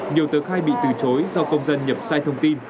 nhiều tờ khai bị từ chối do công dân nhập sai thông tin